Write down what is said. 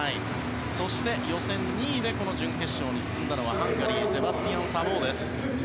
そして予選２位で準決勝に進んだのはハンガリーセバスティアン・サボーです。